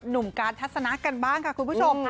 หนุ่มการทัศนะกันบ้างค่ะคุณผู้ชม